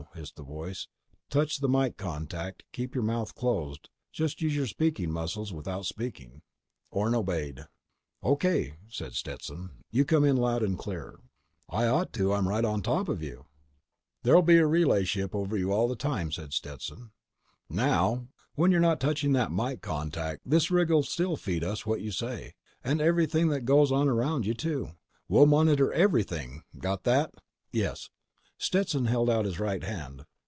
hissed the voice. "Touch the mike contact. Keep your mouth closed. Just use your speaking muscles without speaking." Orne obeyed. "O.K.," said Stetson. "You come in loud and clear." "I ought to. I'm right on top of you!" "There'll be a relay ship over you all the time," said Stetson. "Now ... when you're not touching that mike contact this rig'll still feed us what you say ... and everything that goes on around you, too. We'll monitor everything. Got that?" "Yes." Stetson held out his right hand.